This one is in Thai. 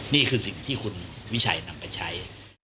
นี่คือสิ่งที่คุณวิชัยนำไปใช้